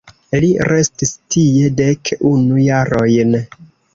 Li restis tie dek unu jarojn.